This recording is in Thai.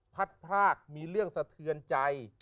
พัดพรากมีเรื่องสะเทือนใจ